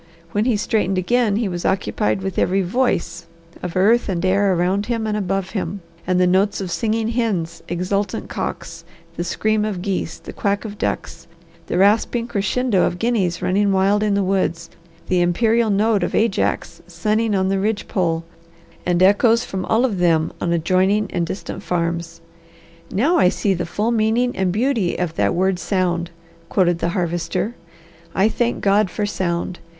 When he straightened again he was occupied with every voice of earth and air around and above him, and the notes of singing hens, exultant cocks, the scream of geese, the quack of ducks, the rasping crescendo of guineas running wild in the woods, the imperial note of Ajax sunning on the ridge pole and echoes from all of them on adjoining and distant farms. "'Now I see the full meaning and beauty of that word sound!'" quoted the Harvester. "'I thank God for sound.